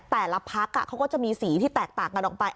แต่ละพักเขาก็จะมีสีที่แตกต่างกันออกไป